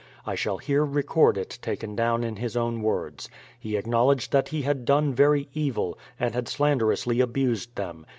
I shall here record it, taken down in his own words. He acknowledged that he had done very evil, and had slanderously abused them.